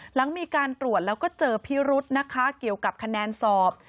หลังมีการตรวจแล้วก็เจอพิรุธนะคะเกี่ยวกับคะแนนสอบ